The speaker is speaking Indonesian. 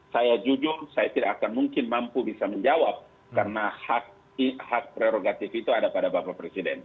saya jujur saya tidak akan mungkin mampu bisa menjawab karena hak prerogatif itu ada pada bapak presiden